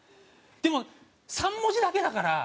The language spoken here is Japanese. でも３文字だけだから。